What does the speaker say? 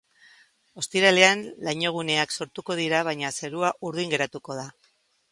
Ostiralean lainoguneak sortuko dira baina zerua urdin geratuko da.